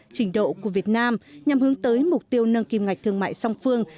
trình độ của việt nam nhằm hướng tới mục tiêu nâng kim ngạch thương mại song phương